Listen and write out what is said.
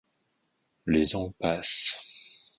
Les ans passent.